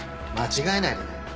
間違えないでね。